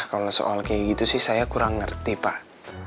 kalau soal kayak gitu sih saya kurang ngerti pak